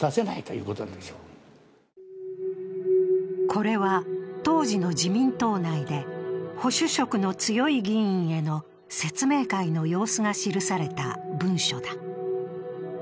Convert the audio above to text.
これは、当時の自民党内で保守色の強い議員への説明会の様子が記された文書だ。